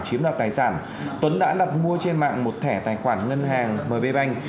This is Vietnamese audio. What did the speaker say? chiếm đoạt tài sản tuấn đã đặt mua trên mạng một thẻ tài khoản ngân hàng mv bank